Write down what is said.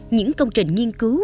những công trình nghiên cứu